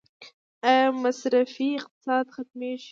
آیا مصرفي اقتصاد ختمیږي؟